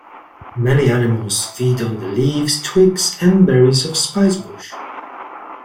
Many animals feed on the leaves, twigs, and berries of spicebush.